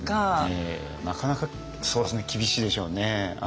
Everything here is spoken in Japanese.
なかなかそうですね厳しいでしょうね。